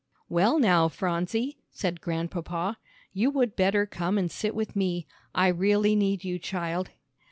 "Well now, Phronsie," said Grandpapa, "you would better come and sit with me. I really need you, child."